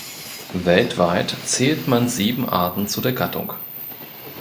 Weltweit zählt man sieben Arten zu der Gattung.